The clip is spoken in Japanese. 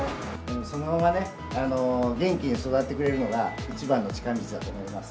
そのままね、元気に育ってくれるのが一番の近道だと思います。